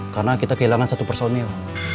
karena kita kehilangan satu personil